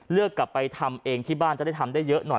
เลือกกลับไปทำเองที่บ้านจะได้ทำได้เยอะหน่อย